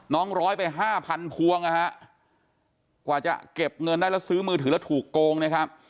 น้องร้อยไป๕๐๐๐พวงอะค่ะกว่าจะเก็บเงินได้แล้วซื้อมือถือแล้วถูกโกงเนี่ยค่ะ